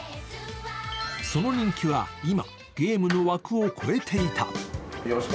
その人気は今、ゲームの枠を超えていた。